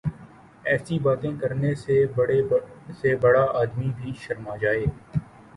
ایسی باتیں کرنے سے بڑے سے بڑا آدمی بھی شرما جائے۔